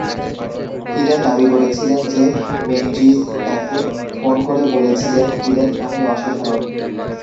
Kylian দাবি করেছিলেন যে মেঞ্জিজ তাকে ফোন করে বলেছিলেন, কিলেন, আপনি অসাধারণ!